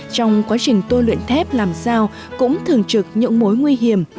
trong quá trình tôi luyện thép làm sao cũng thường trực những mối nguy hiểm